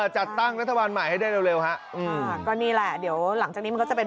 จัดตั้งรัฐบาลใหม่ให้ได้เร็วฮะอ่าก็นี่แหละเดี๋ยวหลังจากนี้มันก็จะเป็น